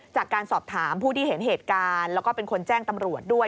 จากการสอบถามผู้ที่เห็นเหตุการณ์แล้วก็เป็นคนแจ้งตำรวจด้วย